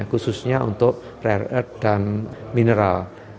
khususnya untuk rare earth dan mineral